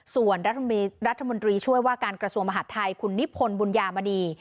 ส่วนรัฐมนตรีช่วยว่าการกระทรวงมหาดไทยคุณนิพนธ์บุญญามณี